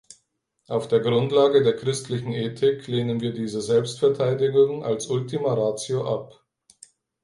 Auf der Grundlage der christlichen Ethik lehnen wir diese Selbstverteidigung als Ultima ratio ab.